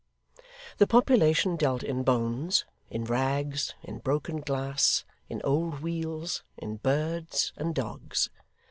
The population dealt in bones, in rags, in broken glass, in old wheels, in birds, and dogs.